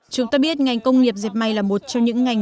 chúng ta biết ngành công nghiệp dẹp may là một trong những ngành